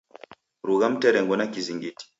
Rugha mnterengo na kizingiti.